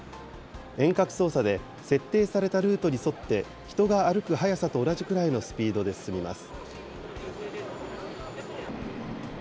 遠隔操作で設定されたルートに沿って、人が歩く速さと同じくらいのスピードで進みます。